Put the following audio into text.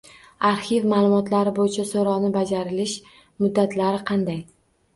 Arxiv ma’lumotlari bo‘yicha so‘rovning bajarilish muddatlari qanday?